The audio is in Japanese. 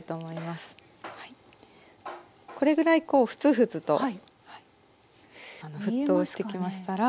これぐらいこうフツフツと沸騰してきましたら。